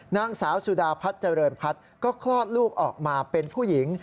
นางสาวสุดาพัฒน์เจริญพัฒน์ก็คลอดลูกออกมาเป็นผู้หญิง